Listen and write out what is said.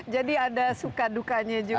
jadi ada suka dukanya juga